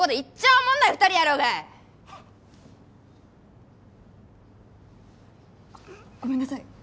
あっごめんなさい。